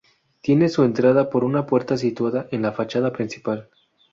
Tiene su entrada por una puerta situada en la fachada principal.